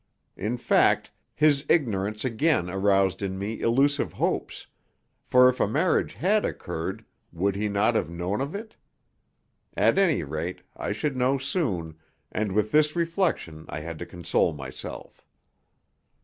In fact, his ignorance again aroused in me elusive hopes for if a marriage had occurred would he not have known, of it? At any rate, I should know soon; and with this reflection I had to console myself.